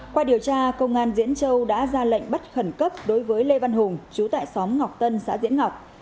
qua điều tra công an diễn châu đã ra lệnh bắt khẩn cấp đối với lê văn hùng chú tại xóm ngọc tân xã diễn ngọc